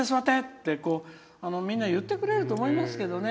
って、みんな言ってくれると思いますけどね。